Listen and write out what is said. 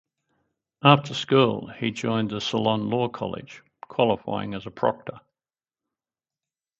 After school he joined the Ceylon Law College, qualifying as a proctor.